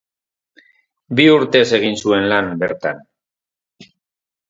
Bi urtez egin zuen lan bertan.